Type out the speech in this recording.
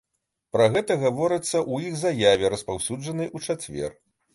Пра гэта гаворыцца ў іх заяве, распаўсюджанай у чацвер.